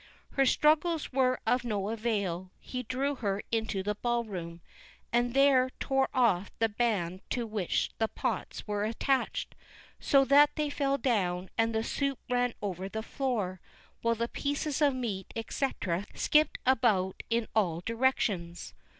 Her struggles were of no avail; he drew her into the ball room, and there tore off the band to which the pots were attached, so that they fell down and the soup ran over the floor, while the pieces of meat, etc., skipped about in all directions.